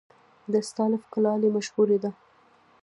د استالف کلالي مشهوره ده